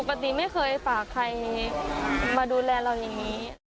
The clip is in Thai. ปกติไม่เคยฝากใครมาดูแลเราอย่างนี้